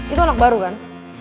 itu anak baru kan